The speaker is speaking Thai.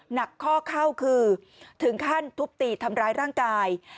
หนักข้อเข้าคือถึงขั้นทุบตีทำร้ายร่างกาย